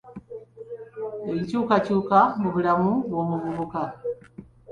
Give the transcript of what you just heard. Enkyukakyuka mu bulamu bw'omuvubuka .